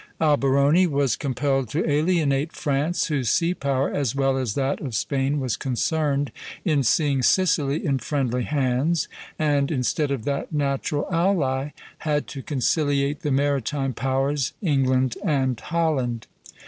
Alberoni was compelled to alienate France, whose sea power, as well as that of Spain, was concerned in seeing Sicily in friendly hands, and, instead of that natural ally, had to conciliate the maritime powers, England and Holland.